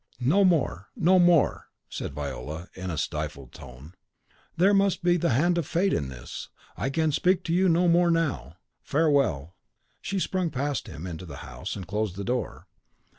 "No more, no more!" said Viola, in a stifled tone; "there must be the hand of fate in this. I can speak to you no more now. Farewell!" She sprung past him into the house, and closed the door.